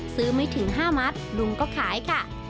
ไม่ถึง๕มัตต์ลุงก็ขายค่ะ